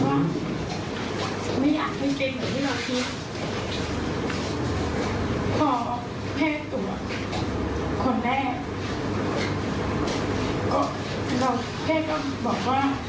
ตอนนั้นเราไปกับลูกสองคนแฟนยังไม่รู้เรื่อง